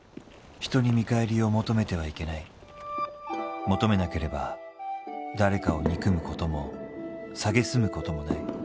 人に見返りを求めてはいけない求めなければ誰かを憎むこともさげすむこともない